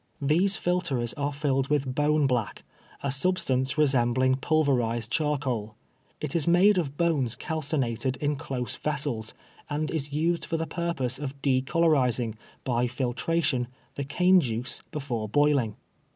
These filterers are filled with bone black, a substance resembling pulverized char coal. It is made of bones calcinated in close vessels, and is used for the purpose of decolorizing, by filtra tion, the cane juice before boiling.